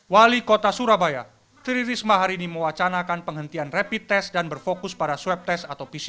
wali kota surabaya tri risma hari ini mewacanakan penghentian rapid test dan berfokus pada swab test atau pcr